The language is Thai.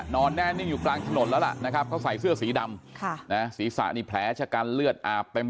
นอนแน่ใช่อยู่กลางถนนแล้วน่ะนะครับเขาใส่เสื้อสีดำสีสะนิ้วเเพลชษะกันเลือดอาบไปไปหมดนะฮะ